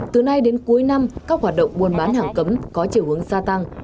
từ nay đến cuối năm các hoạt động buôn bán hàng cấm có chiều hướng gia tăng